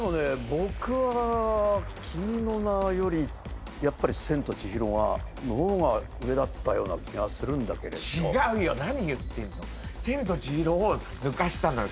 僕は「君の名は。」よりやっぱり「千と千尋」がの方が上だったような気がするんだけれど違うよ何言ってんの「千と千尋」を抜かしたのよ